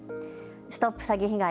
ＳＴＯＰ詐欺被害！